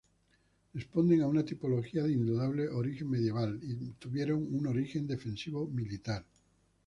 Responden a una tipología de indudable origen medieval y tuvieron un origen defensivo-militar.